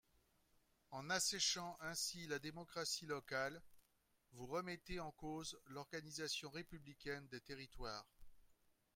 En asséchant ainsi la démocratie locale, vous remettez en cause l’organisation républicaine des territoires.